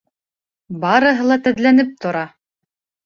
Барыһы ла теҙләнеп тора!